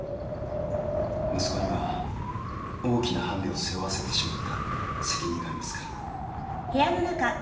息子には大きなハンデを背負わせてしまった責任がありますから。